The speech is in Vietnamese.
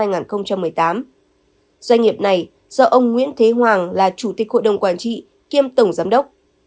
doanh nghiệp này do ông nguyễn thế hoàng là chủ tịch hội đồng quản trị kiêm tổng giám đốc